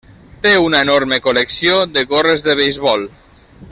Té una enorme col·lecció de gorres de beisbol.